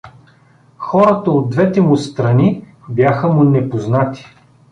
Хората от двете му страни бяха му непознати.